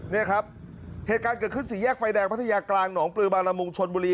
นี่ครับเหตุการณ์เกิดขึ้นสี่แยกไฟแดงพัทยากลางหนองปลือบางละมุงชนบุรี